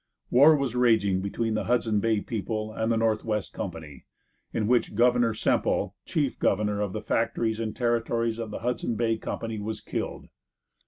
War was raging between the Hudson Bay people and the Northwest Company, in which Governor Semple, chief governor of the factories and territories of the Hudson Bay Company was killed.